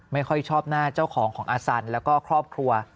ไม่ค่อยชอบหน้าเจ้าของของอาสันแล้วก็ครอบครัว